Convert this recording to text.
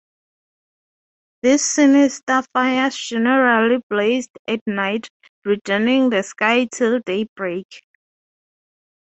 These sinister fires generally blazed at night, reddening the sky till daybreak.